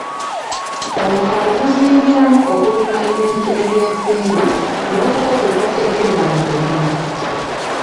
Omukago guzingiramu okulima ebintu ebyensimbi n'okukozesa ebyuma mu kulima.